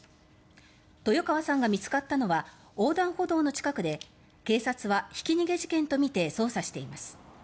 豊川さんが見つかったのは横断歩道の近くで警察は、ひき逃げ事件とみて捜査しています。